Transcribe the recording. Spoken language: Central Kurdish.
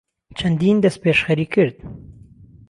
چهندین دهستپێشخهری کرد